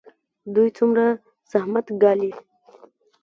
دوی څومره زحمت ګالي؟